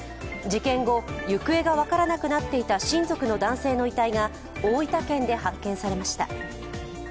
事件後、行方が分からなくなっていた親族の男性の遺体が親族の男性の遺体が大分県で発見されました。